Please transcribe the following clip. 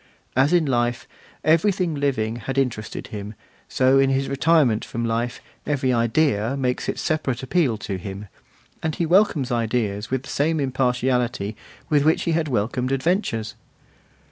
As in life everything living had interested him so in his retirement from life every idea makes its separate appeal to him; and he welcomes ideas with the same impartiality with which he had welcomed adventures.